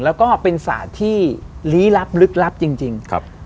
แล้วก็เป็นศาสตร์ที่ลี้ลับลึกลับจริง